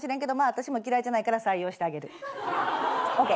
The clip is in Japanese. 私も嫌いじゃないから採用してあげる。ＯＫ。